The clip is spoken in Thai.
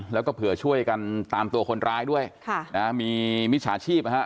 แล้วก็เผื่อช่วยกันตามตัวคนร้ายด้วยค่ะนะฮะมีมิจฉาชีพนะฮะ